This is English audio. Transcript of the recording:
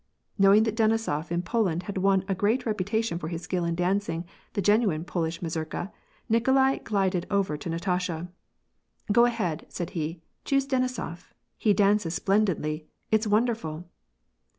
" Knowing that Denisof in Poland had won great reputation for his skill in dancing the genuine Polish mazurka, Nikolai glided over to Natasha, —" Go ahead," said he, " choose Denisof ! He dances splen didly ! It's wonderful